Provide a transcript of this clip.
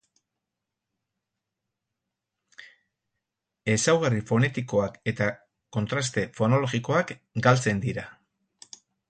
Ezaugarri fonetikoak eta kontraste fonologikoak galtzen dira.